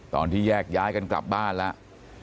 ตอนที่แยกย้ายกันกลับบ้านแล้ว